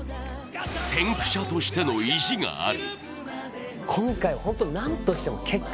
先駆者としての意地がある。